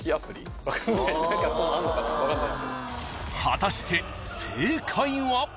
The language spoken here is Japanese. ［果たして正解は］